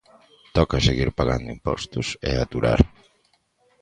Toca seguir pagando impostos e aturar.